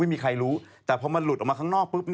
ไม่มีใครรู้แต่พอมันหลุดออกมาข้างนอกปุ๊บ